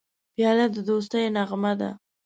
پیاله د دوستی نغمه ده.